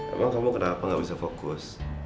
emang kamu kenapa gak bisa fokus